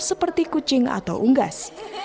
seperti kucing atau unggas